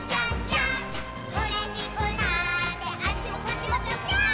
「うれしくなってあっちもこっちもぴょぴょーん」